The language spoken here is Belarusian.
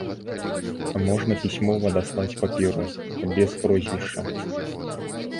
Можна пісьмова даслаць паперу, без прозвішча.